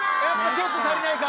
ちょっと足りないか。